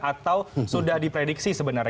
atau sudah diprediksi sebenarnya